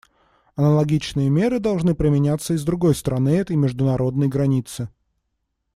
Аналогичные меры должны применяться и с другой стороны этой международной границы.